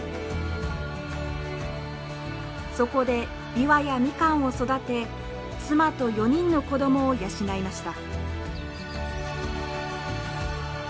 そこでビワやミカンを育て妻と４人の子供を養いました。